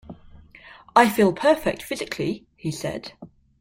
"I feel perfect physically", he said.